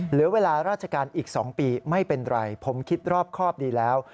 เหลือเวลาราชการอีก๒ปีไม่เป็นไรผมคิดรอบครอบดีแล้ว